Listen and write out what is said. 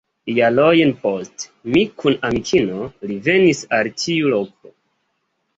Jarojn poste mi kun amikino revenis al tiu loko.